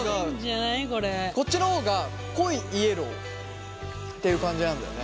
こっちの方が濃いイエローっていう感じなんだよね。